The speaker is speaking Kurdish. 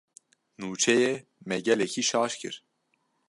Nûçeyê, me gelekî şaş kir.